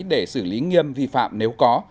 để xử lý nghiêm vi phạm nếu có